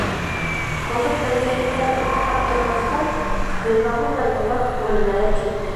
Ҡоҙоҡ эргәһендә туҡтап тормаҫтан, Гөлбаныу ҙа йылға үренәрәк китте.